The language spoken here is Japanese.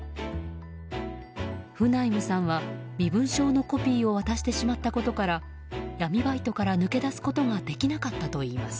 フナイムさんは身分証のコピーを渡してしまったことから闇バイトから抜け出すことができなかったといいます。